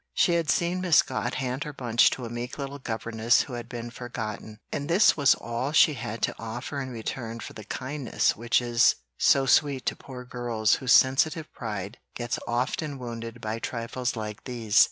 She had seen Miss Scott hand her bunch to a meek little governess who had been forgotten, and this was all she had to offer in return for the kindness which is so sweet to poor girls whose sensitive pride gets often wounded by trifles like these.